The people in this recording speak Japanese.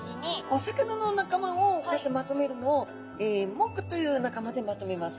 お魚の仲間をこうやってまとめるのを目という仲間でまとめます。